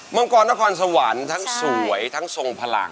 มังกรนครสวรรค์ทั้งสวยทั้งทรงพลัง